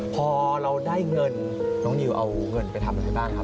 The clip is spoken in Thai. พอเราได้เงินน้องนิวเอาเงินไปทำอะไรบ้างครับ